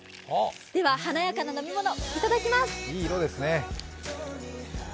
では、華やかな飲み物、いただきます。